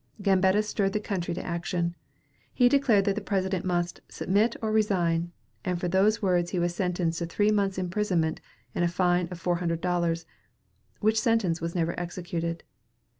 Gambetta stirred the country to action. He declared that the President must "submit or resign," and for those words he was sentenced to three months' imprisonment and a fine of four hundred dollars, which sentence was never executed.